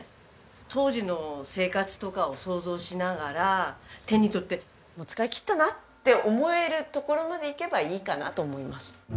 当時の生活とかを想像しながら手に取ってもう使いきったなって思えるところまでいけばいいかなと思います。